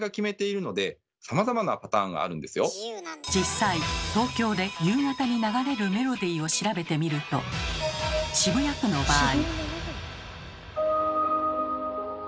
実際東京で夕方に流れるメロディーを調べてみると渋谷区の場合。